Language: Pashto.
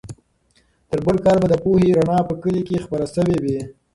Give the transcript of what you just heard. تر بل کال به د پوهې رڼا په کلي کې خپره سوې وي.